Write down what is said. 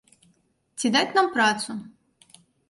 Ці даць нам працу!